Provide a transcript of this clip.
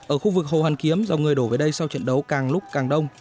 ở khu vực hồ hoàn kiếm dòng người đổ về đây sau trận đấu càng lúc càng đông